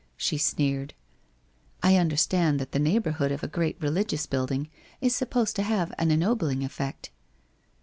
She sneered. ' I understand that the neighbourhood of a great religious building is supposed to have an ennobling effect.'